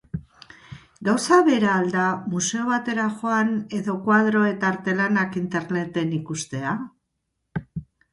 Gauza bera al da museo batera joan edo koadro eta artelanak interneten ikustea?